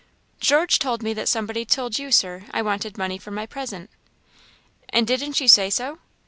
"George told me that somebody told you, Sir, I wanted money for my present." "And didn't you say so?"